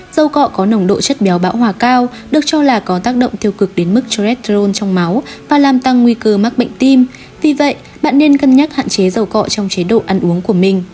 dầu cọ có nồng độ chất béo bão hòa cao được cho là có tác động tiêu cực đến mức cholesterol trong máu và làm tăng nguy cơ mắc bệnh tim